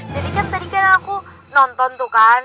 jadi kan tadi kan aku nonton tuh kan